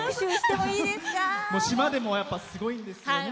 島でも、すごいんですよね。